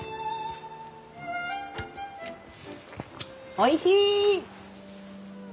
おいしい！